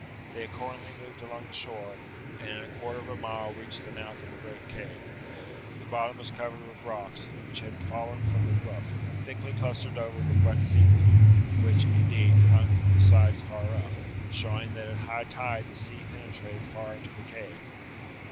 They accordingly moved along the shore, and in a quarter of a mile reached the mouth of a great cave. The bottom was covered with rocks, which had fallen from the roof, thickly clustered over with wet seaweed, which, indeed, hung from the sides far up, showing that at high tide the sea penetrated far into the cave.